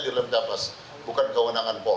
dirjem lapas bukan kewenangan pol